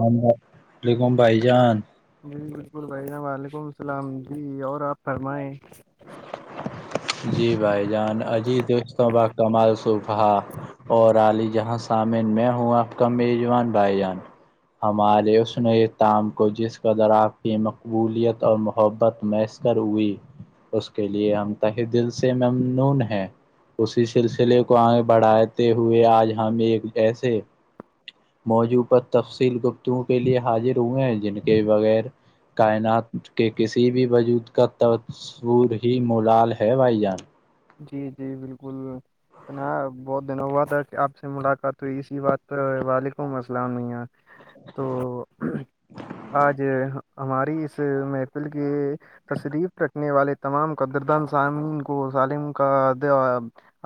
ہم لیکم بھائی جان جی بالکل بھین وعلیکم اللام جی اور آپ فرمائ جی بھائی جان اجی دست با کمال صوفا اور علی جہاں سامن میں ہوں آپ کا میزوان بھائی جان ہمارے اس نئے تام کو جس کا ذرا کی مقبولیت اور محبت میں کروی اس کے لیے ہم تہ دل سے ممنون ہیں اسی سلسلے کو آگے بڑھاتے ہوئے آج ہم ایک جسے موجوع پر تفصیل گپتوں کے لیے حاضر ہوئے ہیں جن کے بغیر کائنات کے کسی بھی وجود کا تصور ہی مولال ہے بھائی جان جی جی بالکل انا بہت دنوں ہوا تھا آپ سے ملاقات ہوئی اسی بات پر وعلیکم السلامں تو آج ہماری اس محفل کی تشریف رکھنے والے تمام قدردان سامین کو سالم کا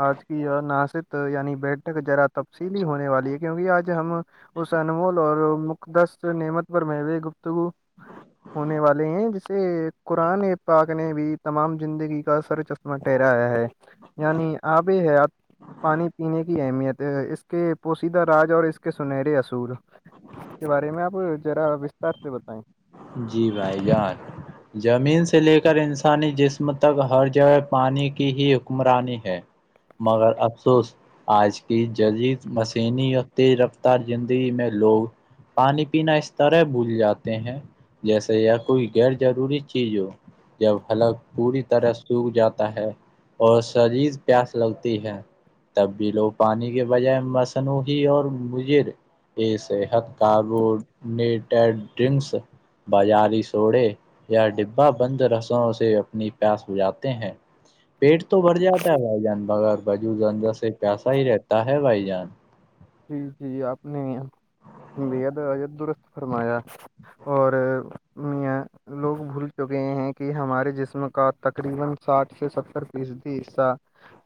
آج کی ناست یعنی بیٹھک ذرا تبصیلی ہونے والی ہے کیونکہ آج ہم اس انمول اور مقدس نعمت پر م گپت تو وہ ہونے والے ہیں جیسے قرآن پاک نے بھی تمام زندگی کا سر چشمہ ٹھہرایا ہے یعنی آبے ہے پانی پینے کی اہمیت ہے اس کے پوشیدہ راج اور اس کے سنہرے اصول کے بارے میں آپ ذرا وستار سے بتائیں جی بھائی زمین سے لے کر انسانی جسم تک ہر جگہ پانی کی ہی حکمرانی ہے مگر افسوس آج کی جدید مسینی اور تیز رفتار زندگی میں لوگ پانی پینا اس طرح بھول جاتے ہیں جیسے یا کوئی غیر جضروری چیز ہو جب حلق پوری طرح سوکھ جاتا ہے اور شریز پیاس لگتی ہے تب بھی لو پانی کے بجائے مصنوعی اور مجر کے صحت کاربونیٹیڈ ڈرنکس بازاری سوڑے یا ڈبہ بند رسوں سے اپنی پیاس سجاتے ہیں پیٹ تو بھر جاتا ہے بھائی جان بیر بجو زنج سے پیسا ہی رہتا ہے بھائی جان جی جی آپ نے بد عت درست فرمایا اور لوگ بھول چکے ہیں کہ ہمارے جسم کا تقریبا ساٹھ سے ستر فیصدی حصہ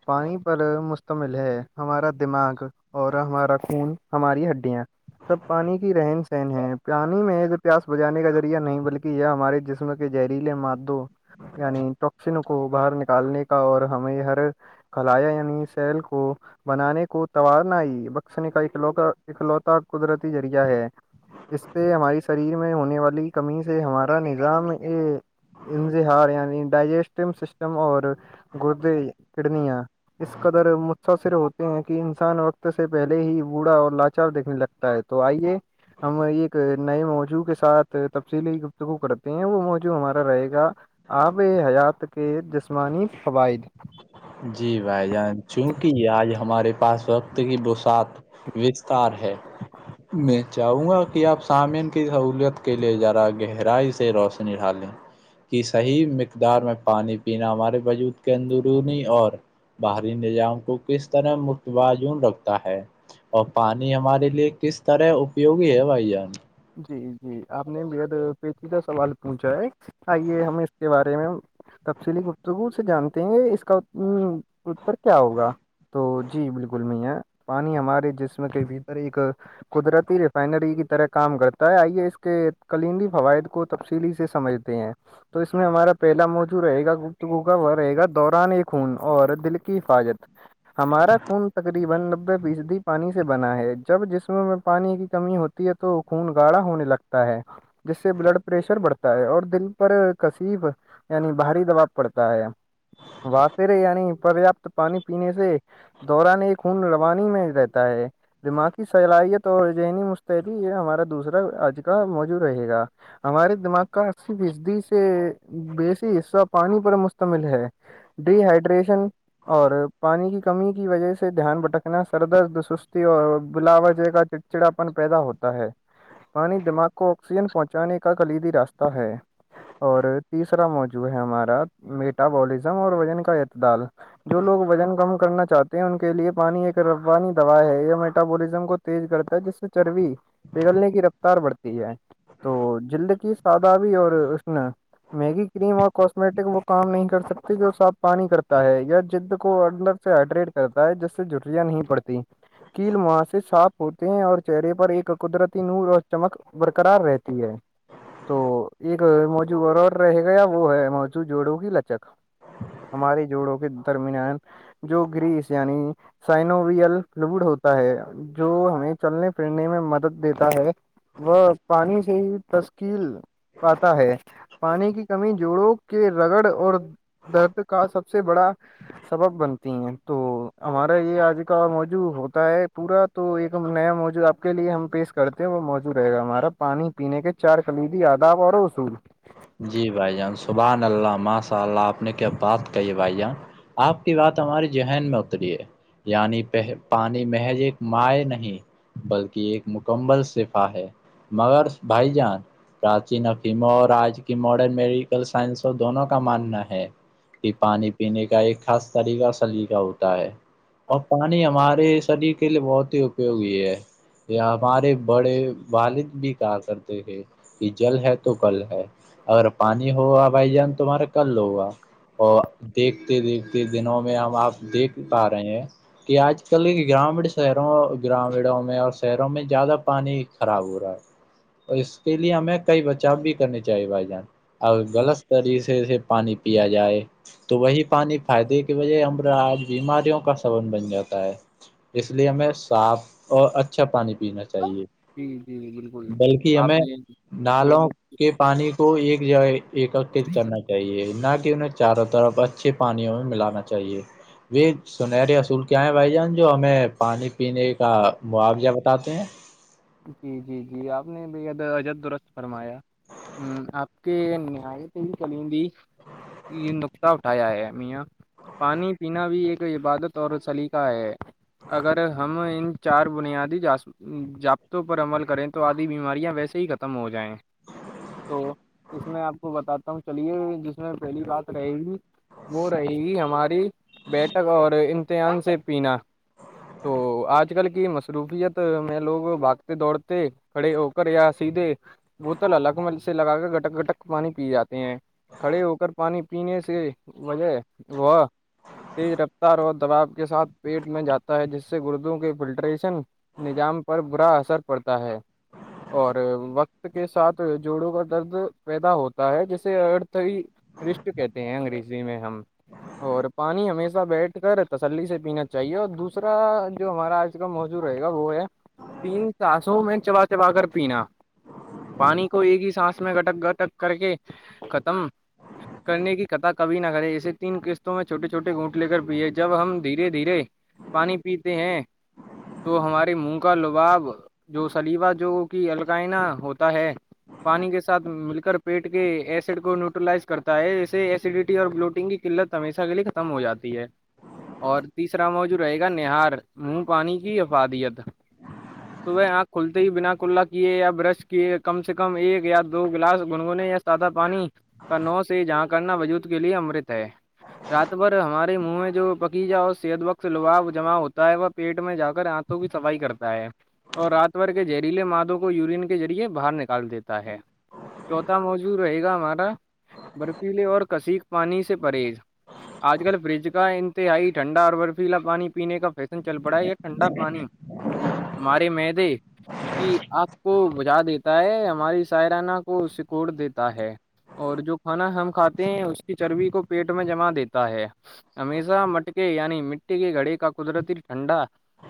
پانی پر مشتمل ہے ہمارا دماغ اور ہمارا خون ہماری ہڈیاں سب پانی کی رہن سہن ہے پانی میں پیاس بجانے کا ذریعہ نہیں بلکہ یہ ہمارے جسم زہریلے مادوں یعنی ٹوکسنو کو باہر نکالنے کا اور ہمیں ہر کلایا یعنی سیل کو بنانے کو توارنا آئی اکلوتا قدرتی ذریعہ ہے اس سے ہماری شریر میں میں ہونے والی کمی سے ہمارا نظام اے انظہار یعنی ڈائجیسٹو سسٹم اور گردے کڈنیاں اس قدر متاثر ہوتے ہیں کہ انسان وقت سے پہلے ہی بوڑھا اور لاچار دیکھنے لگتا ہے تو آئیے ہم ایک نئے موضوع کے ساتھ تفصیلی گفتگو کرتے ہیں وہ موضوع ہمارا رہے گا آب حیات کے جسمانی فوائد جی بھائی جان چونکہ آج ہمارے پاس وقت کی بسات وکستار ہے میں چاہوں گا کہ آپ سامین کی سہولت کے لیے جا رہا گہرائی سے روشنی ڈھالیں کی صحیح مقدار میں پانی پینا ہمارے وجود کے اندرونی اور باہری نظام کو کس طرح متوازن رکھتا ہے اور پانی ہمارے لیے کس طرح اپیوگی ہے بھائی جان جی جی آپ نے بےحد پیچیدہ سوال پوچھا ہے آئیے ہم اس کے بارے میں تفصیلی گفتگو سے جانتے ہیں اس کا اتر کیا ہوگا تو جی بالکل نہیں ہے پانی ہمارے جسم کے بھیتر ایک قدرتی ریفائنری کی طرح کام کرتا ہے آئیے اس کے کلندی فوائد کو تفصیلی سے سمجھتے ہیں تو اس میں ہمارا پہلا موضو رہے گا گپتگو کا وہ رہے گا دوران ایک خون اور دل کی حفاظت ہمارا خون تقریبا نبے فیصدی پانی سے بنا ہے جب جسم میں پانی کی کمی ہوتی ہے تو خون گاڑھا ہونے لگتا ہے جس سے بلڈ پریشر بڑھتا تا ہے اور دل پر کصف یعنی بھری دباؤ پڑتا ہے واطرے یعنی پریاپت پانی پینے سے دوران ایک خون روانی میں رہتا ہے دماغی صلاحیت اور ذہنی مست یہ ہمارا دوسرا آج کا موج رہے گا ہمارے دماغ کا اسی فیصدی سے بیسی حصہ پانی پر مشتمل ہے ڈی ہائیڈریشن اور پانی کی کمی کی وجہ سے دھیان بھٹکنا سردرد سستی اور بلا وجہ کا چ چچڑا پن پیدا ہوتا ہے پانی دماغ کو آکسیجن پہنچانے کا قریبی راستہ ہے اور تیسرا موضوع ہے ہمارا میٹابولزم اور وزن کا اعتدال جو لوگ وزن کم کرنا چاہتے ہیں ان کے لیے پانی ایک رفوانی دوا ہے میٹابولزم کو تیز کرتا ہے جس سے چربی پگھلنے کی رفتار بڑھتی ہے تو جلد کی سادابی اور اس نے میگی کریم اور کاسمیٹک وہ کام نہیں کر سکتی جو صاف پانی کرتا ہے یا جد کو اندر سے ہائڈریٹ کرتا ہے جس سے جھریاں نہیں پڑتی کیل وہاں سے صاف ہوتے ہیں اور چہرے پر ایک قدرتی نور اور چمک برقرار رہتی ہے تو ایک موجو اور رہے گا یا وہ ہے موجو جوڑو گی لچک ہماری جوڑوں کے درمیینان جو گریس یعنی سائنوویل لڈ ہوتا ہے جو ہمیں چلنے پھرنے میں مدد دیتا ہے وہ پانی سے ہی تشکیل پاتا ہے پانی کی کمی جوڑوں کے رگڑ اور درد کا سب سے بڑا سبب بنتا تو ہمارا یہ آج کا موضوع ہوتا ہے پورا تو ایک نیا موضو آپ کے لیے ہم پیش کرتے ہیں وہ موجود رہے گا ہمارا پانی پینے کے چار کلیدی آداب اور اصول جی بھائی جان صبح اللہ ماشاء اللہ آپ نے کیا بات کہی ہے بھائی جان آپ کی بات ہماری ذہن میں اتری ہے یعنی پانی محج ایک مائ نہیں بلکہ ایک مکمل صفا ہے مگر بھائی جان پراچیین افیموں اور آج کی ماڈرن میڈیکل سائنسوں دونوں کا ماننا ہے کہ پانی پینے کا ایک خاص طریقہ سلیقہ ہوتا ہے اور پانی ہمارے صدی کے لیے بہتر ہوئی ہے یہ ہمارے بڑے والد بھی کہا کرتے تھے کہ جل ہے تو کل ہے اگر پانی ہو گا بھائی جان تمہارے کر لو دیکھتے دیکھتے دنوں میں ہم اپ دیکھ پا رہے ہیں کہ اج کل میں زیادہ پانی خراب ہو رہا ہے اس کے لیے ہمیں کئی بچاب بھی کرنے چلو بھائی جان اور غلطی سے اسے پانی پیا جائے تو وہی پانی فائدے کی وجہ ہم اج بیماریوں کا سبب بن جاتا ہے اس لیے ہمیں صاف اچھا پانی پینا چاہیے جی جی بالکل بلکہ اپ ہمیں نے نالوں کے پانی کو ایک جائے ایک کرنا ہے نا کہ انہیں چاروں طرف اچھی پانی ہمیں پلانا چاہیے سنہری اصول کیا ہیں بھائی جان جو ہمیں پانی پینے کا معاویہ بتاتے ہیں یہ اپ نے بھائی جان درست فرمایا اپ کے نہایت ہی یہ نقطہ اٹھایا ہے میاں پانی پینا بھی ایک عبادت اور سلیقہ ہے اگر ہم ان چار بنیادی تو پر عمل کریں تو ادھی بیماریاں ویسے ہی ختم ہو جائیں تو اس میں آپ کو بتاتا ہوں چلیے جس میں پہلی بات رہے گی وہ رہے گی ہماری بیٹھک اور امتحان سے پینا تو اج کل کی مصروفیت میں لوگ بات دوڑتے کھڑے ہو کر یا سیدھے بوتل ہلکا میں لگا کر گٹک گٹک پانی پی جاتے ہیں کھڑے ہو کر پانی پینے سے اس وجہ [inaudible] دباؤ کے ساتھ پیٹ میں جاتا ہے جس سے گردوں کے پلٹریشن نظام پر برا اثر پڑتا ہے اور وقت کے ساتھ جوڑوں کا درد پیدا ہوتا ہے جسے رشٹ تو کہتے ہیں انگریزی میں ہم اور پانی ہمیشہ بیٹھ کر تسلی سے پینا چاہیے اور دوسرا جو ہمارا موزوں رہے گا وہ ہے تین سانسوں میں چبا چبا کر پینا پانی کو ایک ہی سانس میں گٹک گٹک کر کے ختم کرنے کی قطع کبھی نہ کرے اسے تین قسطوں میں چھوٹے چھوٹے گونٹ لے کر پیے جب ہم دھیرے دھیرے پانی پیتے ہیں تو ہمارے منہ کا لباب جو سلیوا جو ہوتا ہے پانی کے ساتھ مل کر پیٹ کے ایسٹ کو نیوٹرلائز کرتا ہے اسے ایسیڈٹی اور بلوٹنگ کی قلت ہمیشہ کے لیے ختم ہو جاتی ہے اور تیسرا موضوع رہے گا نہار منہ پانی کی افادیت تو بھئی اپ کون سے ہی بنا کلہ کی ہے یا برش کی ہے کم سے کم ایک یا دو گلاس گنگونے یا سادہ پانی کا نوش جہاں کرنا وجود کے لیے امرت ہے رات بھر ہمارے منہ میں جو بقیہ ہو صحت وقت لوا جمع ہوتا ہے وہ پیٹ میں جا کر تو بھی تباہی کرتا ہے اور رات بھر کے جہریلے مادو کو یورین کے ذریعے باہر نکال دیتا ہے چوتھا موجود رہے گا ہمارا برفی لے اور کسیک پانی سے پرہیز اج کل فرج کا انتہائی ٹھنڈا ارور فل پانی پینے کا چل پڑا ہے یہ کنڈا پانی تمہاری معدے کہ اپ کو بجھا دیتا ہے ہماری سائرہ کو سکور دیتا ہے اور جو کھانا ہم کھاتے ہیں اس کی چربی کو پیٹ میں جمع دیتا ہے ہمیشہ مٹکے یعنی مٹی کے گھڑی کا قدرتی ٹھنڈا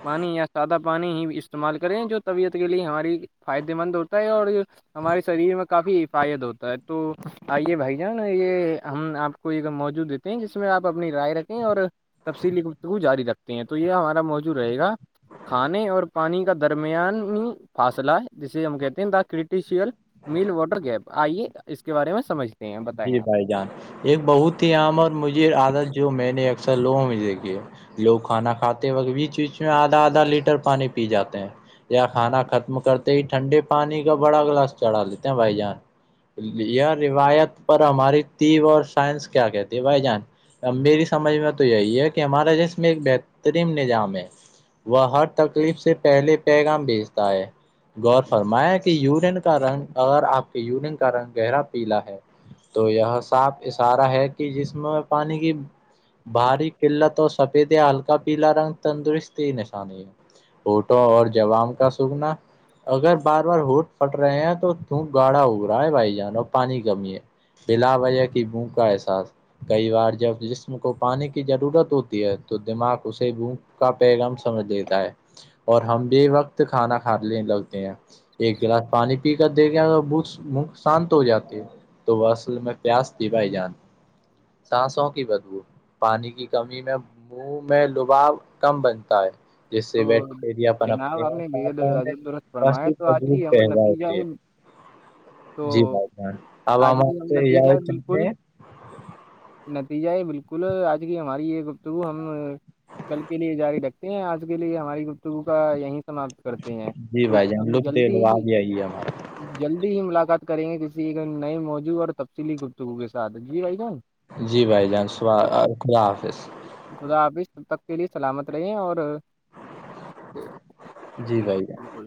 پانی یا سادہ پانی ہی استعمال کریں جو طبیعت کے لیے ہماری فائدے مند ہوتا ہے اور ہمارے شریر میں کافی فائدہ ہوتا ہے تو آئیے بھائی جان یہ ہم آپ کوئیم موجود دیتے ہیں جس میں آ اپنی رائے رکھیں اور تفصیلی جاری رکھتے ہیں تو یہ ہمارا موجو رہے گا کھانے اور پانی کا درمیانی فاصلہ جسے ہم کہتے ہیں دا کرٹیشیل میل واٹر گیپ آئیے اس کے بارے میں سمجھ جی بھائی جان ایک بہت ہی عام اور مجھے عادت جو میں نے اکثر لوگوں میں سے کی لوگ کھانا کھاتے وقت بیچ بیچ میں آدھا آدھا لیٹر پانی پی جاتے ہیں یا کھانا ختم کرتے ہی ٹھنڈے پانی کا بڑا گلاس چڑھا لیتے ہیں بھائی جان روایت پر ہماری تی اور سائنس کیا کہتی ہے بھائی جان میری سمجھ میں تو یہی ہے کہ ہمارا جس میں ایک بہترین نظام ہے وہ ہر تکلیف سے پہلے پیغام بھیجتا ہے غور فرمایا کہ یورین کا رنگ اگر آپ کے یورین کا رنگ گہرا پیلا ہے تو یہ صاپ اشارہ ہے کہ جس میں میں پانی کی بھاری قلت اور سفید یا ہلکا پیلا رنگ تندرست ہی نشانی ہے فوٹو اور جوام کا سکنا اگر بار بار ہوٹ پھٹ رہے ہیں تو دوک گاڑھا ہوگ رہا ہے بھائی جانو پانی کی کمی ہے بلا بھیا کی بون کا احساس کئی بار جب جسم کو پانی کی ضرورت ہوتی ہے تو دماغ اسے کا پیغام سمجھ دیتا ہے اور ہم بھی وقت کھانا کھا لیں لگتے ہیں ایک گلاس پانی پی کر دیکھے ب م شانت ہو جاتی ہے تو وہ اصل میں پیاس تھی بھائی جان سانسوں کی بدبو پانی کی کمی میں منہ میں لباؤ کم بنتا ہے جس سے تو ویکٹیریا پنپتے جناب آپ نے بےحد ہیںا میں عجب درست و فرمایا تو آج ادروپ کی ہم پیدا نتیجہ ہوتے ہے [inaudible] تو جی بھائی ب آب آج ہم آ کی تو ار نتیجہ چاہے بالکل نتیجہ ہے بالکل آج کی ہماری یہ گفتگو ہم کل کے لیے جاری رکھتے ہیں آج کے لیے ہماری گفتگو کا یہیں سمات کرتے ہیں جی تو بھائی جان کم لطف جلدی دلوا ہی بھی آئیے ہمارا جلدی ہی ملاقات کریں گے کسی ایک نئے موضوع اور تفصیلی گفتگو کے ساتھ جی بھائی جان جی بھائی جان صبح تب تک خدا حافظ خدا آپ اس تب تک کے لیے سلامت رہے اور جی جی بھائی بالکل